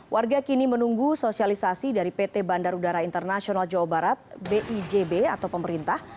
warga kini menunggu sosialisasi dari pt bandar udara internasional jawa barat bijb atau pemerintah